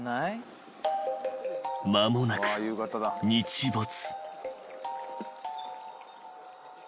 ［間もなく日没］